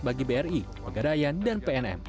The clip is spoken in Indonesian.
bagi bri pegadaian dan pnm